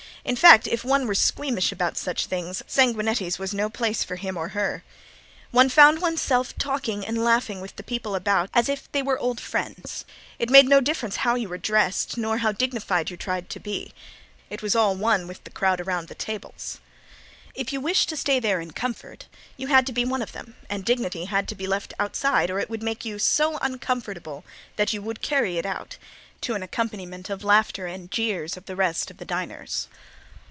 In fact if one were squeamish about such things Sanguinetti's was no place for him or her. One found one's self talking and laughing with the people about as if they were old friends. It made no difference how you were dressed, nor how dignified you tried to be, it was all one with the crowd around the tables. If you wished to stay there in comfort you had to be one of them, and dignity had to be left outside or it would make you so uncomfortable that you would carry it out, to an accompaniment of laughter and jeers of the rest of the diners.